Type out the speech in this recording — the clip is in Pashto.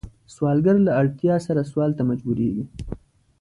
سوالګر له اړتیا سره سوال ته مجبوریږي